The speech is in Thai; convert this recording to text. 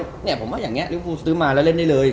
เนี่ยผมว่าอย่างนี้ลิฟูซื้อมาแล้วเล่นได้เลย